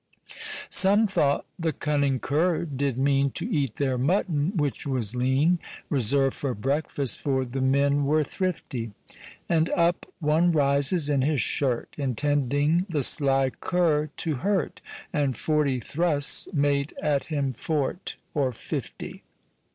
Some thought the cunning cur did mean To eat their mutton (which was lean) Reserv'd for breakfast, for the men Were thrifty. And up one rises in his shirt, Intending the slie cur to hurt, And forty thrusts made at him for't, Or fifty.